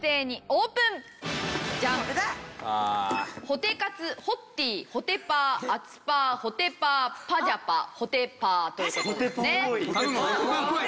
「ホテカツ」「ホッティー」「ホテパー」「アツパー」「ホテパー」「パジャパ」「ホテパー」という事ですね。